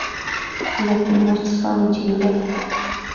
لیکن مُچ سہنڑی جھیل ہے۔